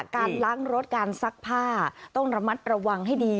การล้างรถการซักผ้าต้องระมัดระวังให้ดี